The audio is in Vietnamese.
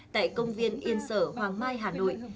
tại công viên yên sở hoàng mai hà nội